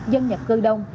dân nhập cư đông